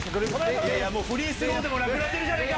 フリースローでもなくなってるじゃねえか！